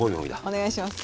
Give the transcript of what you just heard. お願いします。